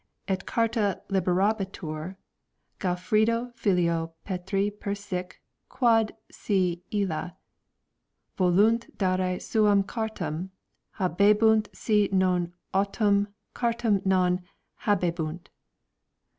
. et carta liberabitur Gal frido filio Petri per sic quod si ilia ... volunt dare suam cartam habebunt si non autem cartam non habe bunt